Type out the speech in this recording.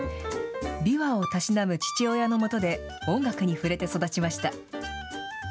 琵琶をたしなむ父親のもとで音楽に触れて育ちました。